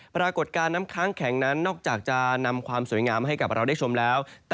ปรากฏการณ์น้ำค้างแข็งนั้นนอกจากจะนำความสวยงามให้กับเราได้ชมแล้ว